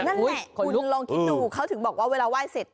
นั่นแหละคุณลองคิดดูเขาถึงบอกว่าเวลาไหว้เสร็จ